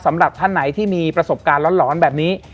สำหรับท่านไหนที่มีประสบการณ์หลอนแบบนี้